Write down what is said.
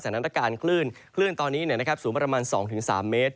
สถานการณ์คลื่นคลื่นตอนนี้เนี่ยนะครับสูงประมาณ๒๓เมตร